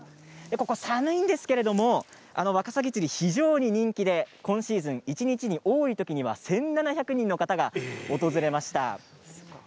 ここは寒いんですけれどワカサギ釣りは非常に人気で今シ−ズン、一日に多いときには１７００人の方が訪れました。